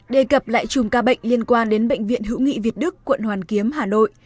đề cập lại chùm ca bệnh liên quan đến bệnh viện hữu nghị việt đức quận hoàn kiếm hà nội